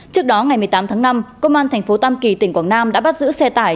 trước đó ngày một mươi tám tháng năm công an thành phố tam kỳ tỉnh quảng nam đã bắt giữ xe tải